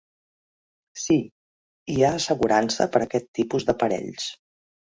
Sí, hi ha assegurança per a aquest tipus d'aparells.